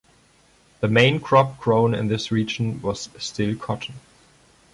The main crop grown in this region was still cotton.